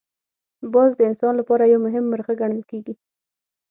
باز د انسان لپاره یو مهم مرغه ګڼل کېږي